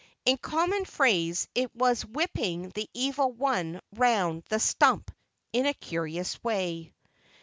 In common phrase, it was whipping the Evil One round the stump in a curious way.